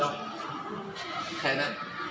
ใครน่ะ